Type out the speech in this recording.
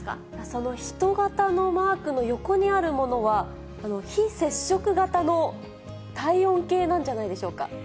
その人型のマークの横にあるものは、非接触型の体温計なんじゃないでしょうか。